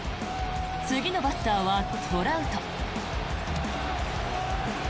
次のバッターはトラウト。